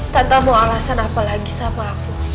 tante mau alasan apa lagi sama aku